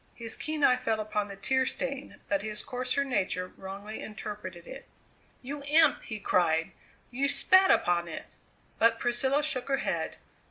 His keen eye fell upon the tear stain, but his coarser nature wrongly interpreted it. "You imp!" he cried; "you spat upon it!" But Priscilla shook her head.